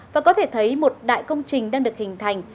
và có thể thấy một đại công trình đang được hình thành